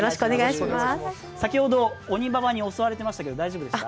先ほど、鬼婆に襲われてましたけど大丈夫ですか？